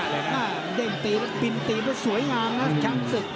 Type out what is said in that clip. เยี่ยมตีนตีนด้วยสวยงามนะชั้นสึก